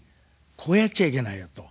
こうやっちゃいけないよと。